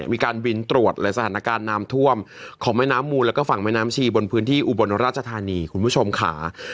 มีการบินตรวจและสถานการณ์น้ำท่วมของแม่น้ำมูลแล้วก็ฝั่งแม่น้ำชีบนพื้นที่อุบลราชธานีคุณผู้ชมค่ะ